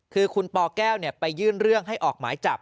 คือคุณปแก้วไปยื่นเรื่องให้ออกหมายจับ